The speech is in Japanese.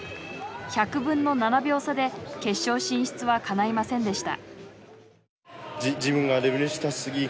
１００分の７秒差で決勝進出はかないませんでした。